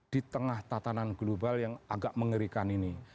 di tengah tatanan global yang agak mengerikan ini